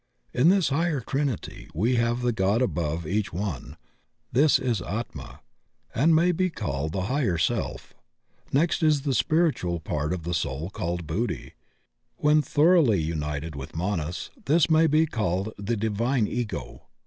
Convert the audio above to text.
In this higher Trinity, we have the God above each one; this is Atma, and may be called the Higher Self. Next is the spiritual part of the soul called Buddhi; when thoroughly united with Manas this may be called the Divine Ego.